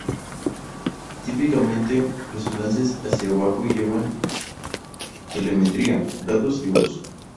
Típicamente, los enlaces hacia abajo llevan telemetría, datos y voz.